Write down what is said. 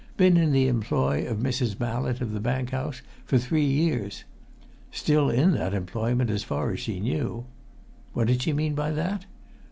Been in the employ of Mrs. Mallett, of the Bank House, for three years. Still in that employment, as far as she knew. What did she mean by that?